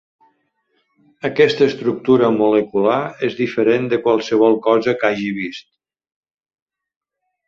Aquesta estructura molecular és diferent de qualsevol cosa que hagi vist.